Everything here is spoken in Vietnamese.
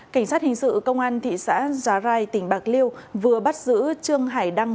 cảnh sát hình sự công an thị xã giá rai tỉnh bạc liêu vừa bắt giữ trương hải đăng